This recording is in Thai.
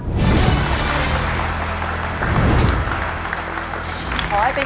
ขอเชิญปูชัยมาตอบชีวิตเป็นคนต่อไปครับ